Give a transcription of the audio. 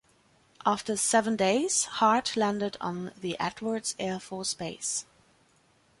After seven days, Hart landed on the Edwards Air Force Base.